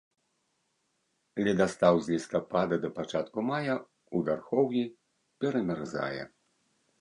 Ледастаў з лістапада да пачатку мая, у вярхоўі перамярзае.